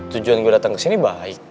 tujuan gue dateng kesini baik